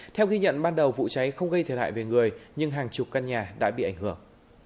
theo ghi nhận ban đầu vụ cháy không gây thiệt hại về người nhưng hàng chục căn nhà đã bị ảnh hưởng